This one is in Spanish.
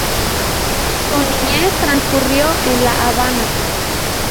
Su niñez transcurrió en La Habana.